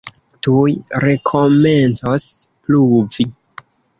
Tuj rekomencos pluvi.